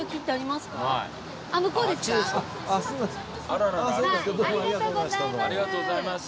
あらららありがとうございます。